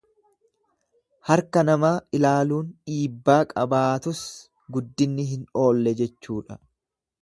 Harka namaa ilaaluun dhiibbaa qabaatus guddinni hin oolle jechuudha.